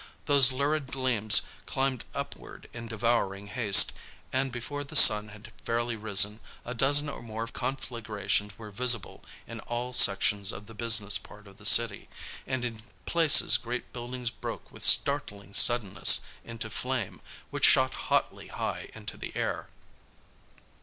Those lurid gleams climbed upward in devouring haste, and before the sun had fairly risen a dozen or more conflagrations were visible in all sections of the business part of the city, and in places great buildings broke with startling suddenness into flame, which shot hotly high into the air.